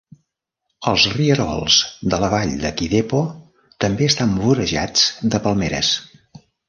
Els rierols de la vall de Kidepo també estan vorejats de palmeres.